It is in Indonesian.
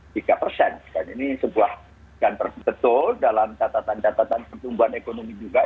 dan ini sebuah ganteng betul dalam catatan catatan pertumbuhan ekonomi juga